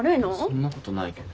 そんなことないけど。